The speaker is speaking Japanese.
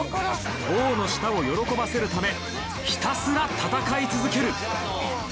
王の舌を喜ばせるためひたすら戦い続ける